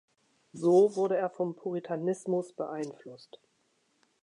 So wurde er vom Puritanismus beeinflusst.